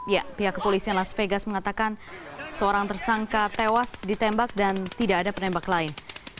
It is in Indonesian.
ya pihak kepolisian las vegas mengatakan seorang tersangka tewas ditembak dan tidak ada penembak lain